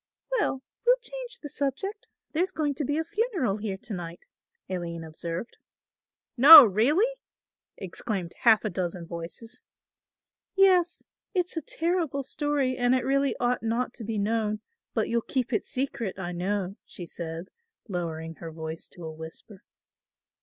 "Well, we'll change the subject; there's going to be a funeral here to night," Aline observed. "No, really?" exclaimed half a dozen voices. "Yes, it's a terrible story and it really ought not to be known; but you'll keep it secret I know," she said, lowering her voice to a whisper.